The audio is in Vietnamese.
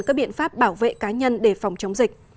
các biện pháp bảo vệ cá nhân để phòng chống dịch